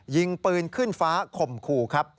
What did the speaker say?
ยิงปืนขึ้นฟ้าข่มขู่ครับ